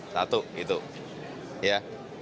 satu itu ya